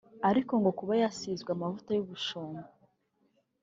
ariko ngo kuba yasizwe amavuta y’ubushumba